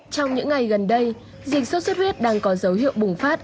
trong những ngày gần đây dịch sốt xuất huyết đang có dấu hiệu bùng phát